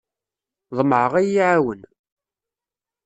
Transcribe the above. Ḍemɛeɣ ad iyi-iɛawen.